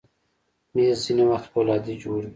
مېز ځینې وخت فولادي جوړ وي.